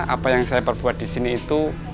apa yang saya perbuat disini itu